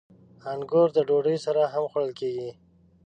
• انګور د ډوډۍ سره هم خوړل کېږي.